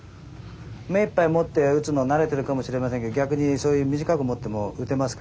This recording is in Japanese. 目いっぱい持って打つの慣れてるかもしれませんけど逆に短く持っても打てますから。